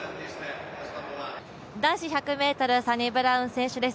男子１００ｍ、サニブラウン選手です。